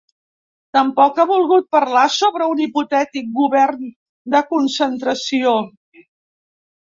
Tampoc ha volgut parlar sobre un hipotètic govern de concentració.